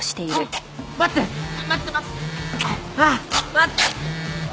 待って！